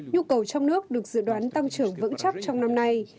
nhu cầu trong nước được dự đoán tăng trưởng vững chắc trong năm nay